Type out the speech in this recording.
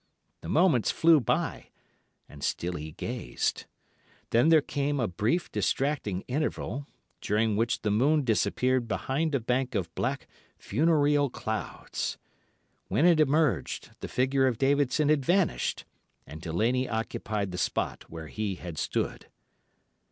The moments flew by, and still he gazed. Then there came a brief, distracting interval, during which the moon disappeared behind a bank of black, funereal clouds. When it emerged, the figure of Davidson had vanished, and Delaney occupied the spot where he had stood.